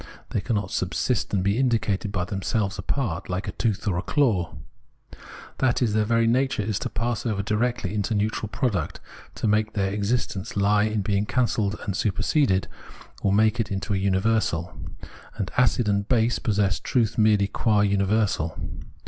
They cannot subsist and be indicated by themselves apart, like a tooth or a claw. That it is their very natuje to pass over directly into a neutral product, makes their existence lie in being cancelled and superseded, or makes it into a universal ; and acid and base possess truth merely qua universal.